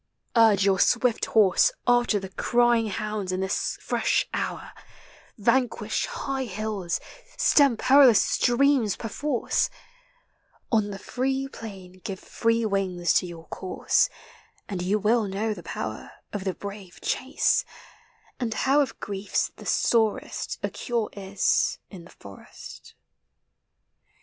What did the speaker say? Urge your swift horse After the crying hounds in this fresh hour; Vanquish high hills, stem perilous streams per force, On the free plain give five wings in your cour» And you will know the |>o\\< r Of the brave chase,— and how of griefs tli<' sorest A cure is in (he forest.